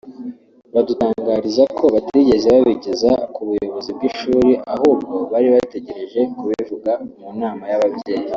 badutangariza ko batigeze babigeza ku buyobozi bw’ishuri ahubwo bari bategereje kubivuga mu nama y’ababyeyi